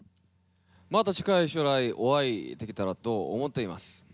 また近い将来お会いできたらと思っています。